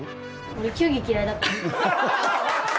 俺球技嫌いだから。